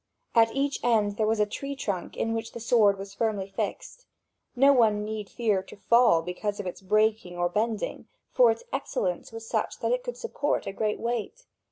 At each end there was a tree trunk in which the sword was firmly fixed. No one need fear to fall because of its breaking or bending, for its excellence was such that it could support a great weight.